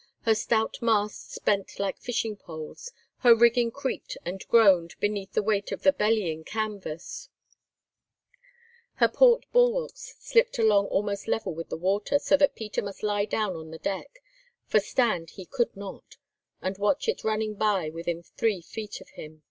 Her stout masts bent like fishing poles, her rigging creaked and groaned beneath the weight of the bellying canvas, her port bulwarks slipped along almost level with the water, so that Peter must lie down on the deck, for stand he could not, and watch it running by within three feet of him.